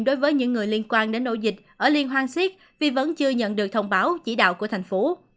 đối với những người liên quan đến ổ dịch ở liên hoan siết vì vẫn chưa nhận được thông báo chỉ đạo của thành phố